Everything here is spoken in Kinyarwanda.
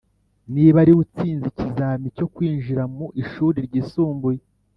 niba ariwe utsinze ikizami cyo kwinjira mu ishuri ryisumbuye,